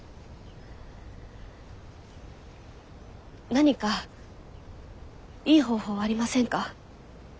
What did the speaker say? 何かいい方法はありませんか？